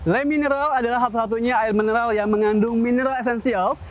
lemineral adalah satu satunya air mineral yang mengandung mineral esensial